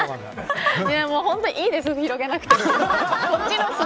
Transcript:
いいです、広げなくて。